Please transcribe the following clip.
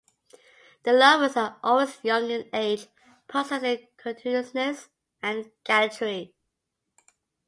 The Lovers are always young in age, possessing courteousness and gallantry.